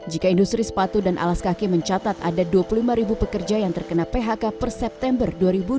jika industri sepatu dan alas kaki mencatat ada dua puluh lima ribu pekerja yang terkena phk per september dua ribu dua puluh